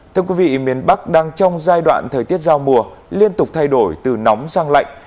thưa quý vị miền bắc đang trong giai đoạn thời tiết giao mùa liên tục thay đổi từ nóng sang lạnh